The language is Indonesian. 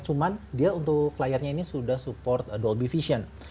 cuman dia untuk layarnya ini sudah support dolby vision